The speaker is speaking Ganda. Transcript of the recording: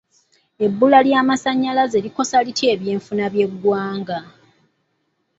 Ebbula ly'amasanyalaze likosa litya enfuna y'eggwanga?